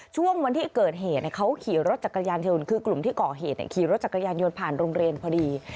ช่วงวันที่เกิดเหตุเขาขี่รถจักรยานยนต์คือกลุ่มที่ก่อเหตุขี่รถจักรยานยนต์ผ่านโรงเรียนพอดี